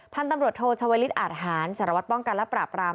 พันธุ์ตำรวจโทชวลิศอาทหารสารวัตรป้องกันและปราบราม